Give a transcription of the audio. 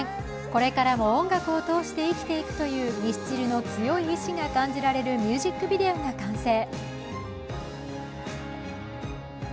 これからも音楽を通して生きていくというミスチルの強い意思が感じられるミュージックビデオが完成。